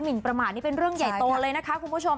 นประมาทนี่เป็นเรื่องใหญ่โตเลยนะคะคุณผู้ชม